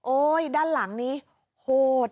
โอ้ยด้านหลังนี้โหด